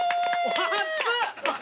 熱っ！